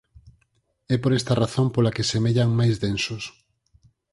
É por esta razón pola que semellan "máis densos".